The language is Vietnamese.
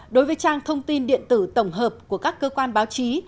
đối với trang thông tin điện tử tổng hợp của các cơ quan báo chí